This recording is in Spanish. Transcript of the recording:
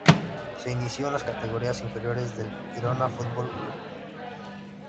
Se inició en las categorías inferiores del Girona Futbol Club.